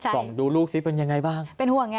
ส่องดูลูกซิเป็นอย่างไรบ้าง